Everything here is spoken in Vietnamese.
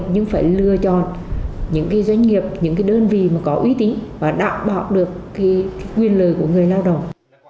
nhưng phải lựa chọn những doanh nghiệp những cái đơn vị mà có uy tín và đảm bảo được cái quyền lời của người lao động